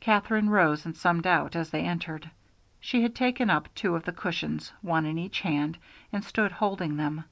Katherine rose in some doubt as they entered. She had taken up two of the cushions, one in each hand, and stood holding them.